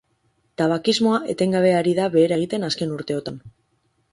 Tabakismoa etengabe ari da behera egiten azken urteotan.